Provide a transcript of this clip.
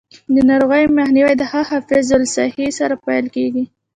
د ناروغیو مخنیوی د ښه حفظ الصحې سره پیل کیږي.